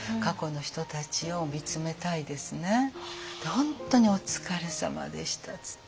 本当にお疲れさまでしたっつって。